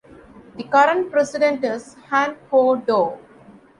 The current president is Han-ho Doh.